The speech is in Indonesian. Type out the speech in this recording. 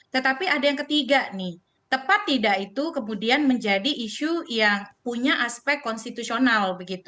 tetapi ada yang ketiga nih tepat tidak itu kemudian menjadi isu yang punya aspek konstitusional